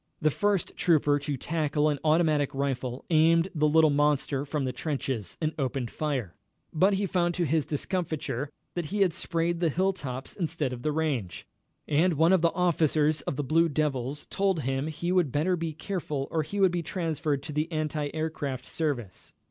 The first trooper to tackle an automatic rifle aimed the little monster from the trenches, and opened fire, but he found to his discomfiture that he had sprayed the hilltops instead of the range, and one of the officers of the Blue Devils told him he would better be careful or he would be transferred to the anti aircraft service.